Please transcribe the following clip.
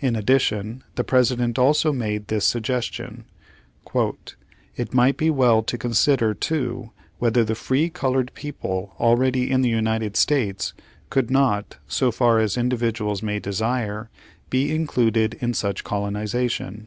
In addition the President also made this suggestion: "It might be well to con sider, too, whether the free colored people already in the United States could not, so far as individ uals may desire, be included in such colonization."